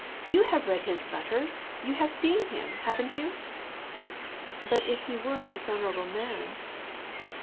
" You have read his let ter, you have seen him, haven't you ?"<* But if he were a dishonorable man